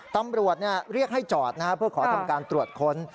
ตำรวจเรียกให้จอดเพื่อขอทำการตรวจค้น